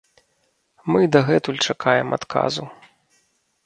Мы дагэтуль чакаем адказу.